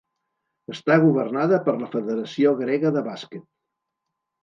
Està governada per la Federació Grega de Bàsquet.